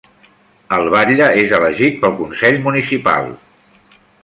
El batlle és elegit pel consell municipal.